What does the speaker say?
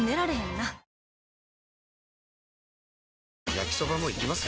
焼きソバもいきます？